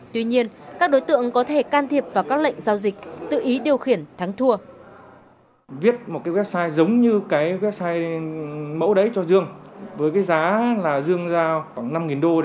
tuy nhiên các đối tượng có thể can thiệp vào các lệnh giao dịch tự ý điều khiển thắng thua